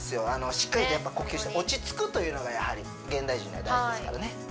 しっかりと呼吸して落ちつくというのがやはり現代人には大事ですからね